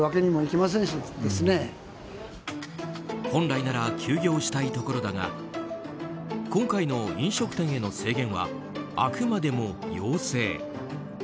本来なら休業したいところだが今回の飲食店への制限はあくまでも要請。